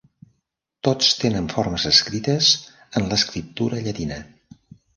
Tots tenen formes escrites en l'escriptura llatina.